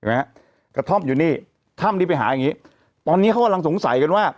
กระท่อมอยู่นี่ถ้ำที่ไปหาอย่างงี้ตอนนี้เขากำลังสงสัยกันว่า